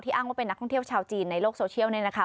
อ้างว่าเป็นนักท่องเที่ยวชาวจีนในโลกโซเชียลเนี่ยนะคะ